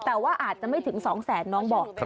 แต่ว่าอาจจะไม่ถึง๒แสนน้องบอก